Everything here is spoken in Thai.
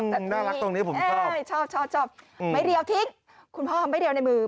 แต่น่ารักตรงนี้ผมชอบชอบไม่เรียวทิ้งคุณพ่อไม่เรียวในมือ